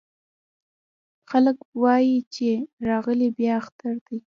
خلک وايې چې راغلی بيا اختر دی